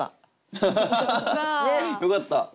よかった！